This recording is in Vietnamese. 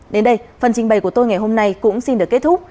đến đây phần trình bày của tôi ngày hôm nay cũng xin được kết thúc